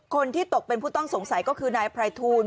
คนที่ตกเป็นผู้ต้องสงสัยก็คือนายไพรทูล